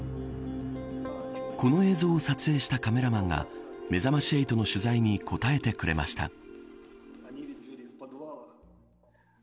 この映像を撮影したカメラマンがめざまし８の取材に応えてくれました。